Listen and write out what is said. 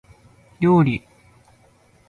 料理